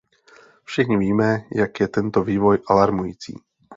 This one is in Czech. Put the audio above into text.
Všichni víme, jak je tento vývoj alarmující.